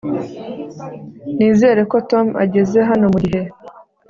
nizere ko tom ageze hano mugihe